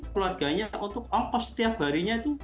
keluarganya untuk ongkos setiap harinya itu